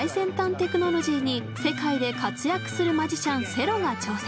テクノロジーに世界で活躍するマジシャンセロが挑戦！